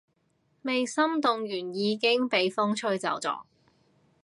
未心動完已經畀風吹走咗